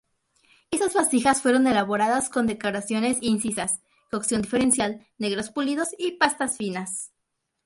Estas vasijas fueron elaboradas con decoraciones incisas, cocción diferencial, negros pulidos y pastas finas.